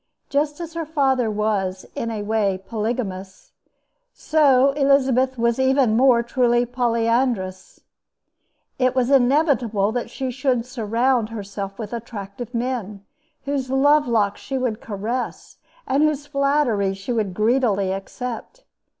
Just as her father was, in a way, polygamous, so Elizabeth was even more truly polyandrous. It was inevitable that she should surround herself with attractive men, whose love locks she would caress and whose flatteries she would greedily accept.